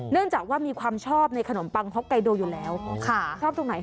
จากว่ามีความชอบในขนมปังฮ็อกไกโดอยู่แล้วชอบตรงไหน